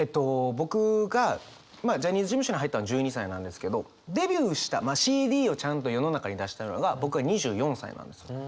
僕がまあジャニーズ事務所に入ったの１２歳なんですけどデビューしたまあＣＤをちゃんと世の中に出したのが僕は２４歳なんですよ。